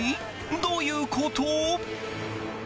どういうこと？